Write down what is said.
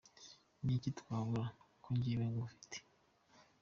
Niki twabura? , Ko njyewe ngufite..